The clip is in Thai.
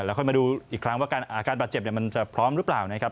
แล้วค่อยมาดูอีกครั้งว่าอาการบาดเจ็บมันจะพร้อมหรือเปล่านะครับ